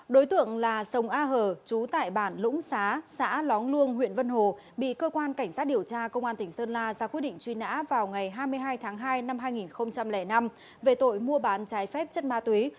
đối tượng là sông a hờ trú tại bản lũng xá xã lóng luông huyện vân hồ bị cơ quan cảnh sát điều tra công an tỉnh sơn la ra quyết định truy nã vào ngày hai mươi hai tháng hai năm hai nghìn năm về tội mua bán trái phép chất ma túy